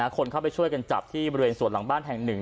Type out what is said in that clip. คนเข้าไปช่วยกันจับที่บริเวณสวนหลังบ้านแห่งหนึ่ง